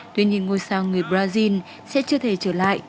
tuy nhiên ngôi sao người brazil sẽ chưa thể trở lại